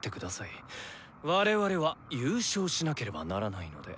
我々は優勝しなければならないので。